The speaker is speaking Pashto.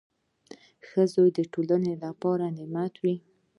• ښه زوی د ټولنې لپاره نعمت وي.